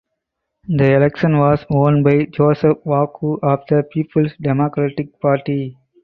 The election was won by Joseph Waku of the Peoples Democratic Party.